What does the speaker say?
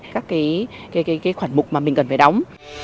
các cái khoản mục mà mình cần phải đóng